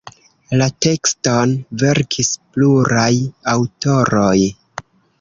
La tekston verkis pluraj aŭtoroj.